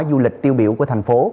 du lịch tiêu biểu của thành phố